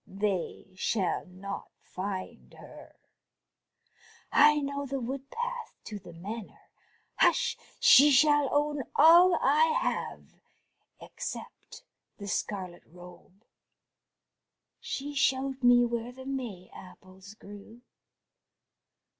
They shall not find her. I know the woodpath to the Manor. Hush! she shall own all I have except the scarlet robe. She showed me where the May apples grew.